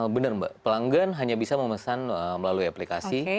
benar mbak pelanggan hanya bisa memesan melalui aplikasi